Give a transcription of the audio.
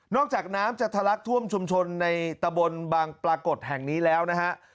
จากน้ำจะทะลักท่วมชุมชนในตะบนบางปรากฏแห่งนี้แล้วนะฮะ